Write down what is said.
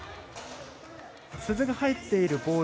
鈴が入っているボール。